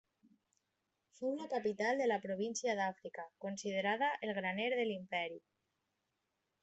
Fou la capital de la província d'Àfrica, considerada el graner de l'imperi.